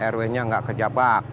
rw nya gak ke jabak